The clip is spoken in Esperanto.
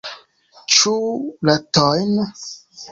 Ĉu ratojn?